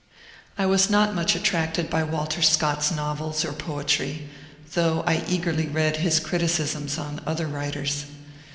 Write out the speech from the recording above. I was not much attracted by Walter Scott's novels or poetry, though I eagerly read his criticisms on other writers.